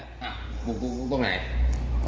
อ่ะปลุกรุกตรงไหน